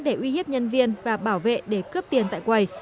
để uy hiếp nhân viên và bảo vệ để cướp tiền tại quầy